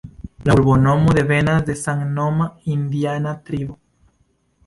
La urbonomo devenas de samnoma indiana tribo.